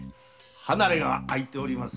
離れが空いております